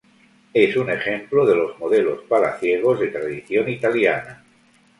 Es un ejemplo de los modelos palaciegos de tradición italiana.